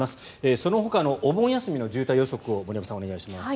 そのほかのお盆休みの渋滞予測を森山さん、お願いします。